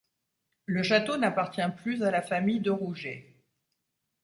Le château n'appartient plus à la famille de Rougé.